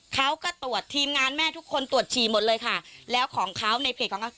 เขาก็ตรวจทีมงานแม่ทุกคนตรวจฉี่หมดเลยค่ะแล้วของเขาในเพจของเขา